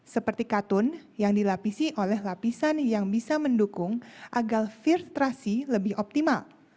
seperti katun yang dilapisi oleh lapisan yang bisa mendukung agar filtrasi lebih optimal